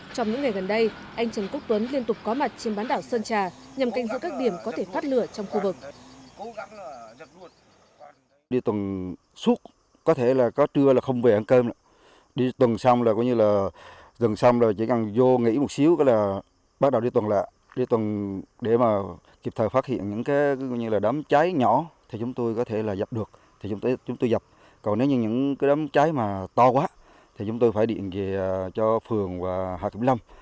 trong những ngày gần đây anh trần quốc tuấn liên tục có mặt trên bán đảo sơn trà nhằm canh giữ các điểm có thể phát lửa trong khu vực